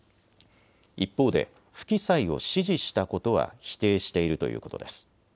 一方で不記載を指示したことは否定しているということです。